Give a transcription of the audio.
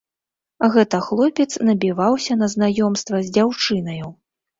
Гэта хлопец набіваўся на знаёмства з дзяўчынаю.